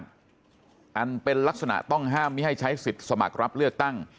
อันเป็นลักษณะต้องห้ามไม่ให้ใช้สิทธิ์สมัครรับเลือกตั้ง